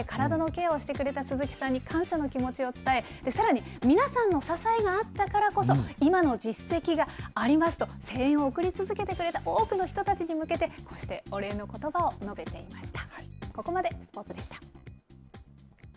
金井選手は８年間にわたって体のケアをしてくれた鈴木さんに、感謝の気持ちを伝え、さらに、皆さんの支えがあったからこそ、今の実績がありますと、声援を送り続けてくれた多くの人たちに向けて、こうしてお礼のことばを述べていました。